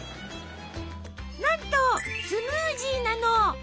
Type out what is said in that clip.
なんとスムージーなの。